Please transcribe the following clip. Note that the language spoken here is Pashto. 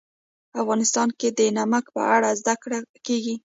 افغانستان کې د نمک په اړه زده کړه کېږي.